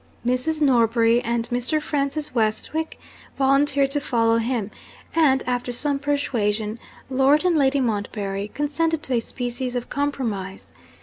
Mrs. Norbury and Mr. Francis Westwick volunteered to follow him; and, after some persuasion, Lord and Lady Montbarry consented to a species of compromise.